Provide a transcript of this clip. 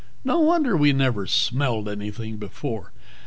No wonder we never smelled anything before!